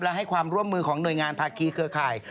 และให้ความร่วมมือของหน่วยงานภาคีเครือข่าย